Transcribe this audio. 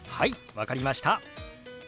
分かりました。